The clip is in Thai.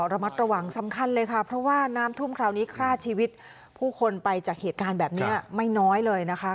ระมัดระวังสำคัญเลยค่ะเพราะว่าน้ำท่วมคราวนี้ฆ่าชีวิตผู้คนไปจากเหตุการณ์แบบนี้ไม่น้อยเลยนะคะ